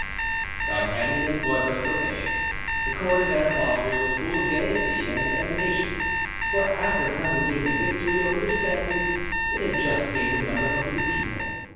D'Artagnan and Porthos obeyed. The court of Anne of Austria was full of gayety and animation; for, after having gained a victory over the Spaniard, it had just gained another over the people.